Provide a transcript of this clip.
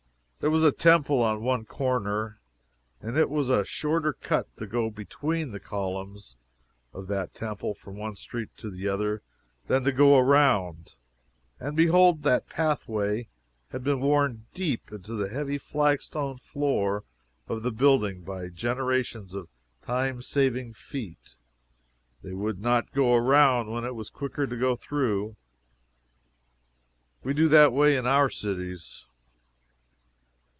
There was a temple on one corner, and it was a shorter cut to go between the columns of that temple from one street to the other than to go around and behold that pathway had been worn deep into the heavy flagstone floor of the building by generations of time saving feet! They would not go around when it was quicker to go through. We do that way in our cities.